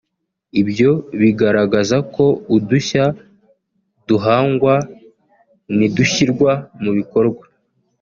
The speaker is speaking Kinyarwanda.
Ibyo bigaragaza ko udushya duhangwa nidushyirwa mu bikorwa